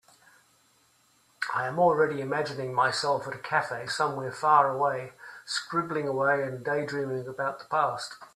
I am already imagining myself at a cafe somewhere far away, scribbling away and daydreaming about the past.